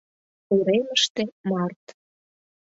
Уремыште — март.